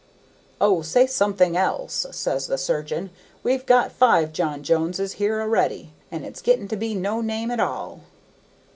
'O, say something else,' says the surgeon; 'we've got five John Joneses here a'ready, and it's getting to be no name at all.'